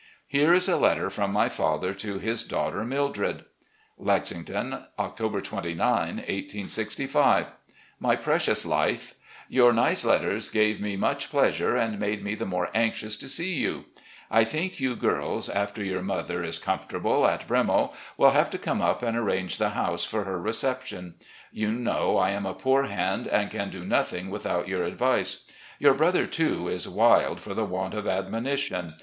Here is a letter from my father to his daughter Mildred: "Lexington, October 29, 1865. "My Precious Life: Your nice letter gave me much pleasiue and made me the more anxious to see you. I PRESIDENT OF WASHINGTON COLLEGE 193 think you girls, after your mother is comfortable at 'Bremo,' will have to come up and arrange the house for her reception. You know I am a poor hand and can do nothing without your advice. Your brother, too, is wild for the want of admonition.